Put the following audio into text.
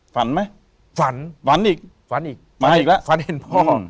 ฝันไหมฝันฝันอีกฝันอีกมาอีกแล้วฝันเห็นพ่อ